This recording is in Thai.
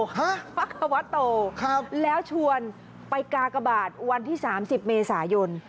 ฮะปักควัตโตแล้วชวนไปกากบาทวันที่๓๐เมษายน